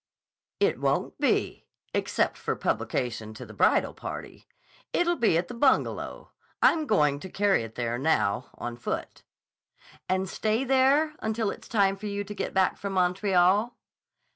"It won't be, except for publication to the bridal party. It'll be at the Bungalow. I'm going to carry it there now, on foot." "And stay there until it's time for you to get back from Montreal?"